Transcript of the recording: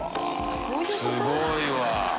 すごいわ！